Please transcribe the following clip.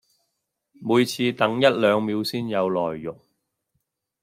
每次等一兩秒先有內容